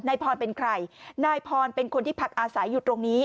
นายพรเป็นใครนายพรเป็นคนที่พักอาศัยอยู่ตรงนี้